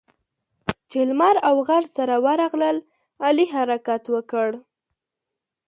چې لمر او غر سره ورغلل؛ علي حرکت وکړ.